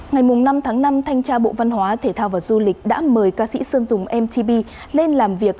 ngày năm tháng năm thanh tra bộ văn hóa thể thao và du lịch đã mời ca sĩ sơn dùng mtb lên làm việc